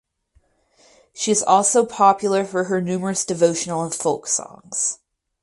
She is also popular for her numerous devotional and folk songs.